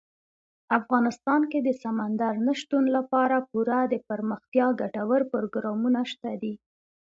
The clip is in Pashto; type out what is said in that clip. افغانستان کې د سمندر نه شتون لپاره پوره دپرمختیا ګټور پروګرامونه شته دي.